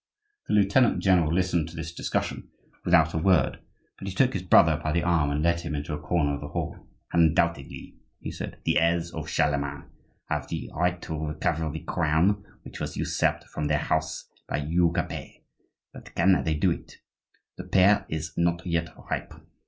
The lieutenant general listened to this discussion without a word, but he took his brother by the arm and led him into a corner of the hall. "Undoubtedly," he said, "the heirs of Charlemagne have the right to recover the crown which was usurped from their house by Hugh Capet; but can they do it? The pear is not yet ripe.